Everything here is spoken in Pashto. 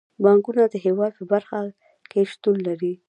بانکونه د هیواد په هره برخه کې شتون لري.